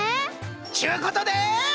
ちゅうことで。